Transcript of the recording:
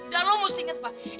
dan lu mesti inget fah